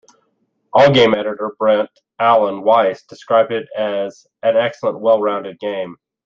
Allgame editor Brett Alan Weiss described it as "an excellent, well-rounded game".